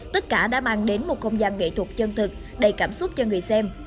tất cả đã mang đến một không gian nghệ thuật chân thực đầy cảm xúc cho người xem